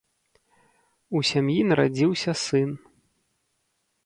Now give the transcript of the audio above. У сям'і нарадзіўся сын.